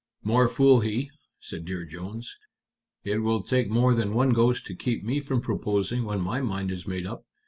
"More fool he," said Dear Jones. "It will take more than one ghost to keep me from proposing when my mind is made up."